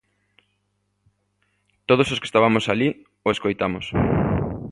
Todos os que estabamos alí o escoitamos.